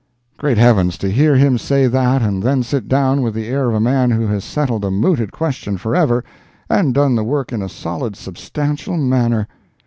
Great Heavens! to hear him say that and then sit down with the air of a man who has settled a mooted question forever, and done the work in a solid, substantial manner.